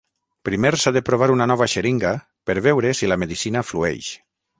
Primer s'ha de provar una nova xeringa per veure si la medicina flueix.